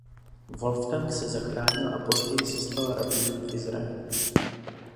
Wolfgang se zachránil a později se stal rabínem v Izraeli.